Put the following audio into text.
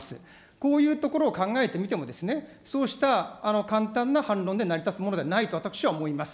こういうところを考えてみても、そうした簡単な反論で成り立つものではないと私は思います。